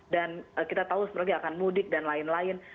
dan kita tahu sebenarnya akan mudik dan lain lain